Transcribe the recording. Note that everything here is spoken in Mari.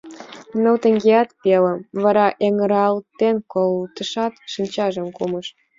— Ныл теҥгеат пелым... — вара эҥыралтен колтышат, шинчажым кумыш.